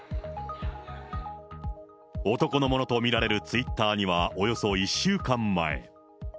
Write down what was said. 男のものと見られるツイッターには、およそ１週間前。